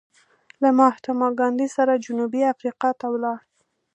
له مهاتما ګاندې سره جنوبي افریقا ته ولاړ.